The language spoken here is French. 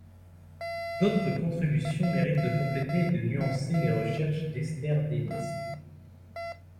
D'autres contributions méritent de compléter et de nuancer les recherches d'Esther Delisle.